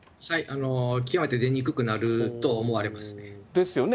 極めて出にくくなると思われます。ですよね。